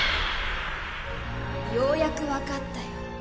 ようやくわかったよ。